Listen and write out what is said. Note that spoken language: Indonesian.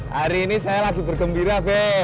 hari ini saya lagi bergembira be